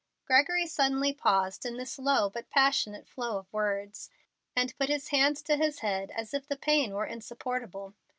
Gregory suddenly paused in his low but passionate flow of words, and put his hand to his head as if the pain were insupportable.